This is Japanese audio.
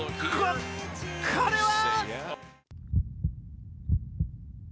ここれは？